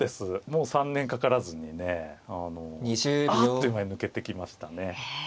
もう３年かからずにねあっという間に抜けていきましたね。